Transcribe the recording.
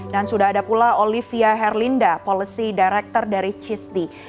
dan sudah ada pula olivia herlinda policy director dari cisdi